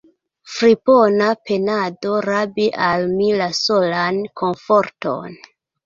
Fripona penado rabi al mi la solan komforton!